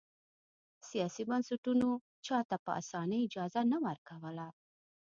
سیاسي بنسټونو چا ته په اسانۍ اجازه نه ورکوله.